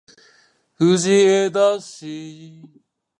藤枝市